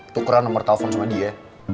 tukeran nomor telfon sama dia